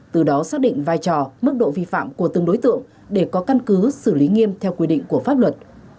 từ đó xác định vai trò mức độ vi phạm của từng đối tượng để có căn cứ xử lý nghiêm theo quy định của pháp luật